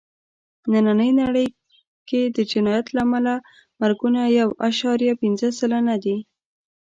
نننۍ نړۍ کې د جنایت له امله مرګونه یو عشاریه پینځه سلنه دي.